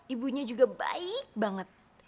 ibunya juga baik banget